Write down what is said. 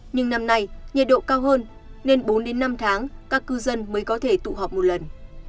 nhưng năm nay nhiệt độ cao hơn nên bốn đến năm tháng các cư dân mới có thể tụ họp một lần